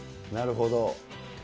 なるほど。